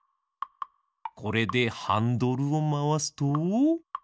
これでハンドルをまわすと。